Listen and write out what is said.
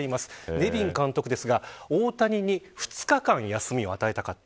ネビン監督ですが大谷に２日間休みを与えたかった。